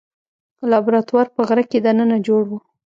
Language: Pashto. لابراتوار په غره کې دننه جوړ و.